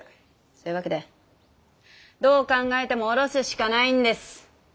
そういう訳でどう考えても堕ろすしかないんです。